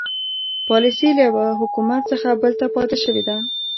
پالیسي له یوه حکومت څخه بل ته پاتې شوې ده.